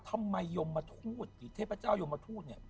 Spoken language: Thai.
ทำไมยมมาทูตหรือเทพเจ้ายมมาทูต